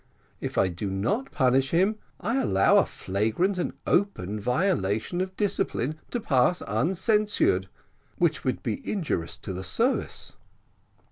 If I do not punish him, I allow a flagrant and open violation of discipline to pass uncensured, which will be injurious to the service."